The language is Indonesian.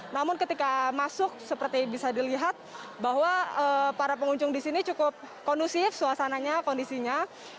namun ketika masuk seperti bisa dilihat bahwa para pengunjung di sini cukup kondusif suasananya kondisinya